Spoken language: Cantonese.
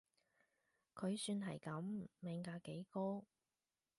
佢算係噉，命格幾高